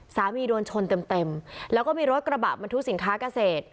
สามีโดนชนเต็มแล้วก็มีรถกระบะมะทุสินค้าเกษตร